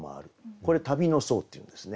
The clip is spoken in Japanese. これ「旅の僧」っていうんですね。